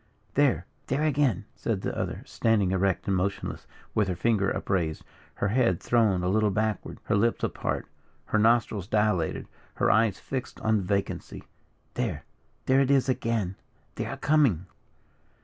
"There there again!" said the other, standing erect and motionless, with her finger upraised, her head thrown a little backward, her lips apart, her nostrils dilated, her eyes fixed on vacancy. "There there it is again they are coming!"